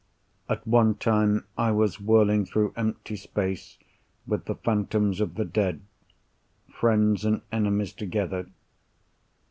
At one time I was whirling through empty space with the phantoms of the dead, friends and enemies together.